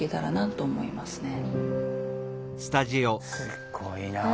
すごいなあ。